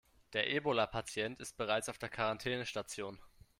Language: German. Der Ebola-Patient ist bereits auf der Quarantänestation.